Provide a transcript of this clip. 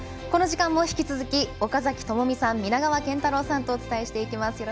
この時間も引き続き岡崎朋美さん、皆川健太郎さんとお伝えしていきます。